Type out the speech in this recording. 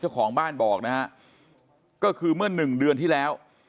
เจ้าของบ้านบอกนะฮะก็คือเมื่อหนึ่งเดือนที่แล้ว